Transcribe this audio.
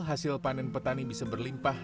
hasil panen petani bisa berlimpah